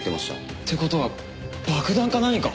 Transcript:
っていう事は爆弾か何か？